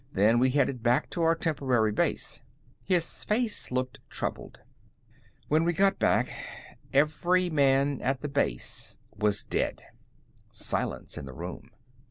"Then we headed back to our temporary base." His face looked troubled. "When we got back, every man at the base was dead." Silence in the room.